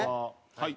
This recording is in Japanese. はい。